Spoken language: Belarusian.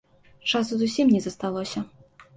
Часу зусім не засталося.